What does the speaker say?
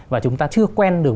và chúng ta chưa quen được